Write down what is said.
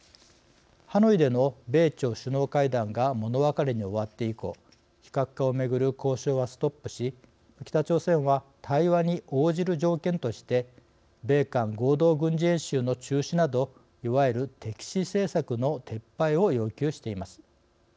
ハノイでの米朝首脳会談が物別れに終わって以降非核化をめぐる交渉はストップし北朝鮮は対話に応じる条件として米韓合同軍事演習の中止などいわゆる敵視政策の撤廃を要求しています。